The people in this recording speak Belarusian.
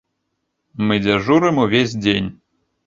Мы дзяжурым увесь дзень.